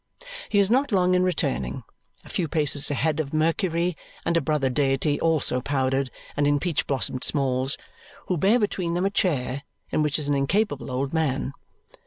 He is not long in returning; a few paces ahead of Mercury and a brother deity also powdered and in peach blossomed smalls, who bear between them a chair in which is an incapable old man.